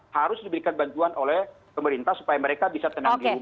harus diberikan bantuan oleh pemerintah supaya mereka bisa terdampak